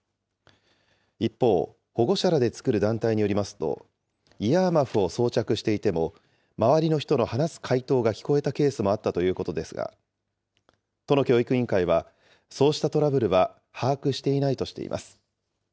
一方、保護者らで作る団体によりますと、イヤーマフを装着していても周りの人の話す解答が聞こえたケースもあったということですが、都の教育委員会は、そうしたトラブルは把握していないとしています。